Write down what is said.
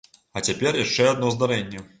А цяпер яшчэ адно здарэнне.